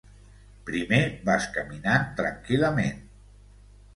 Primer vas caminant tranquil·lament.